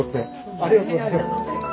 ありがとうございます。